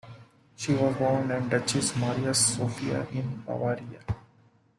She was born as Duchess Maria Sophia in Bavaria.